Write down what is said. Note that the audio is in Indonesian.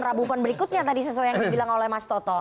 rabu pon berikutnya tadi sesuai yang dibilang oleh mas toto